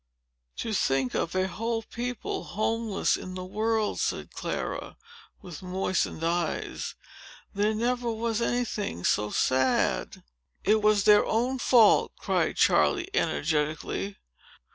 "To think of a whole people, homeless in the world!" said Clara, with moistened eyes. "There never was any thing so sad!" "It was their own fault," cried Charley, energetically.